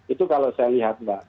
itu kalau saya lihat mbak